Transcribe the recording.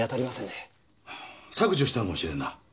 削除したのかもしれんな。